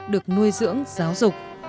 được nuôi dưỡng giáo dục